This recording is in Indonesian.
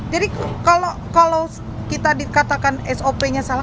jadi kalau kita dikatakan sop nya salah